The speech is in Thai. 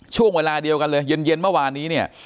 ช่วงเวลาเดียวกันเลยเย็นเมื่อวานนี้เนี่ย